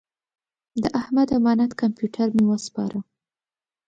د احمد امانت کمپیوټر مې وسپاره.